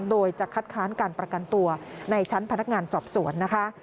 โดยจะคัดค้านการประกันตัวในชั้นพนักงานสอบสวนนะคะ